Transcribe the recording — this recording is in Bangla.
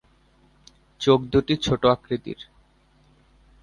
চোখ দুটি ছোট আকৃতির।